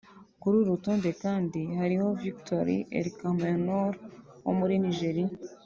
Kuri uru rutonde kandi hari Victor Ehikhamenor wo muri Nigeria